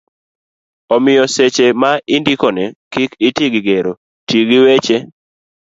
omiyo seche ma indiko ne kik iti gi gero, ti gi weche